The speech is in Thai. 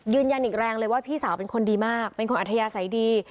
ยืนยันอีกแรงเลยว่าพี่สาวเป็นคนดีมากเป็นคนอัธยาศัยดี